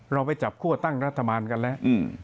เราไปจับคั่วตั้งรัฐบาลกันแล้ว